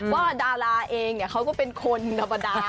ว่าดาราเองเขาก็เป็นคนธรรมดา